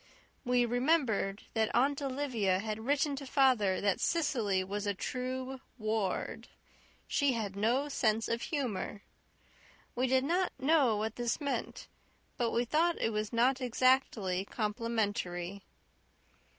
We remembered that Aunt Olivia had written to father that Cecily was a true Ward she had no sense of humour. We did not know what this meant, but we thought it was not exactly complimentary.